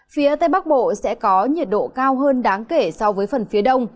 phía tây bắc bộ sẽ có nhiệt độ cao hơn đáng kể so với phần phía đông